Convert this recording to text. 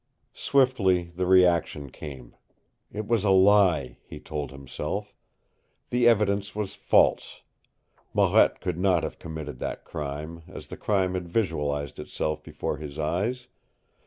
Swiftly the reaction came. It was a lie, he told himself. The evidence was false. Marette could not have committed that crime, as the crime had visualized itself before his eyes.